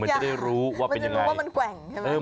มันจะได้รู้ว่าเป็นอย่างไรมันจะรู้ว่ามันแกว่งใช่ไหม